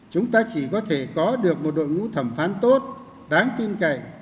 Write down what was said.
chúng ta chỉ có thể có được một đội ngũ thẩm phán tốt đáng tin cậy